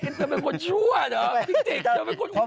มันเป็นคนชั่วนะ